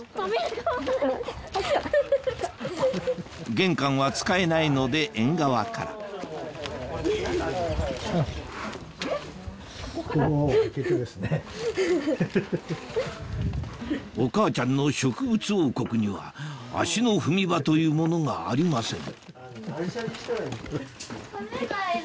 玄関は使えないので縁側からお母ちゃんの植物王国には足の踏み場というものがありません